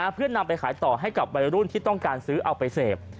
เพื่อนำไปขายต่อให้กับวัยรุ่นที่ต้องการซื้อเอาไปเสพ